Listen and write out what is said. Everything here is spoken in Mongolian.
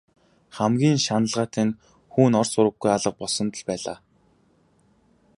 Хамгийн шаналгаатай нь хүү ор сураггүй алга болсонд л байлаа.